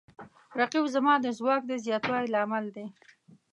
رقیب زما د ځواک د زیاتوالي لامل دی